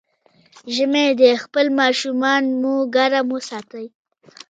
ژمی دی، خپل ماشومان مو ګرم وساتئ.